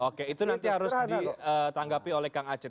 oke itu nanti harus ditanggapi oleh kang aceh